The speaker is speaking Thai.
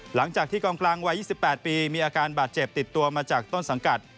หลังจากที่กองกลางวัย๒๘ปีมีอาการบาดเจ็บติดตัวมาจากต้นสังกัด